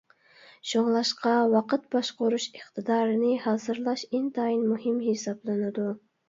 شۇڭلاشقا، ۋاقىت باشقۇرۇش ئىقتىدارىنى ھازىرلاش ئىنتايىن مۇھىم ھېسابلىنىدۇ.